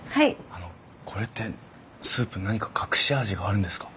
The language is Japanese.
あのこれってスープ何か隠し味があるんですか？